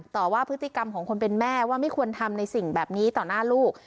ต่อว่าพฤติกรรมของคนเป็นแม่ว่าไม่ควรทำในสิ่งแบบนี้ต่อหน้าลูก